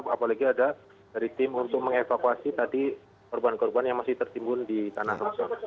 apalagi ada dari tim untuk mengevakuasi tadi korban korban yang masih tertimbun di tanah longsor